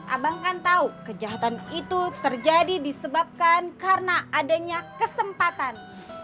abang kan tahu kejahatan itu terjadi disebabkan karena adanya kesempatan